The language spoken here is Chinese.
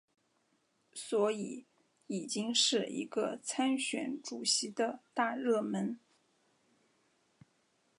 所以已经是一个参选主席的大热门。